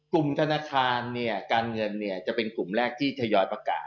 กลุ่มธนาคารการเงินจะเป็นกลุ่มแรกที่ทยอยประกาศ